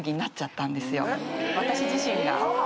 私自身が。